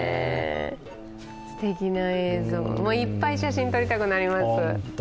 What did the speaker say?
すてきな映像、いっぱい写真撮りたくなります。